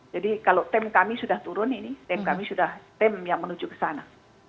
jadi kalau tim kami sudah turun ini tim kami sudah tim yang menuju ke sana